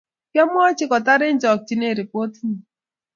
Kyamwachi kotar eng chakchinet ripotinyi.